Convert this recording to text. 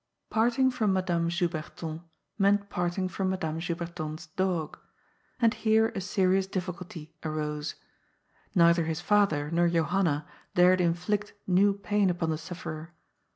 Parting from Madame Juberton meant parting from Madame Juberton's dog. And here a serious difficulty arose. Neither his father nor Johanna dared inflict new pain upon the sufllerer.